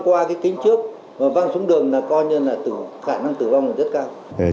qua cái kính trước và văng xuống đường là coi như là khả năng tử vong là rất cao